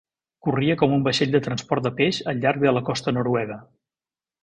Corria com un vaixell de transport de peix al llarg de la costa noruega.